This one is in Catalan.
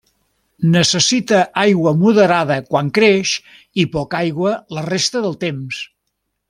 Necessita aigua moderada quan creix i poca aigua la resta del temps.